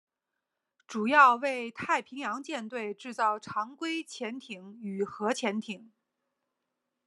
主要为太平洋舰队制造常规潜艇与核潜艇。